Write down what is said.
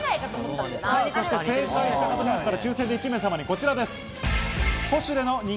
そして正解した方の中から抽選で１名様にこちらです。